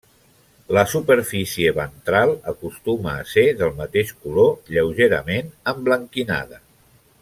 La superfície ventral acostuma a ser del mateix color, lleugerament emblanquinada.